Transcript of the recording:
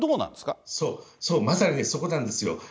そう、そう、まさにそこなんですよ。